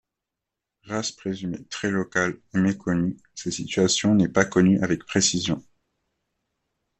Race présumée très locale et méconnue, sa situation n'est pas connue avec précision.